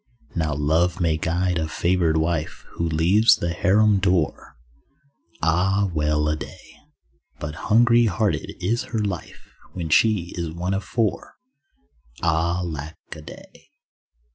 Now love may guard a favoured wife Who leaves the harem door; (Ah, well a day) But hungry hearted is her life When she is one of four. (Ah, lack a day.)